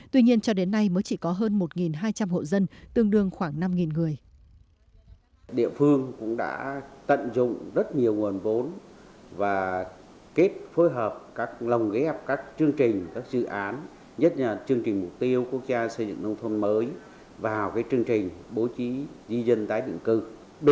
tuy nhiên cho đến nay mới chỉ có hơn một hai trăm linh hộ dân tương đương khoảng năm người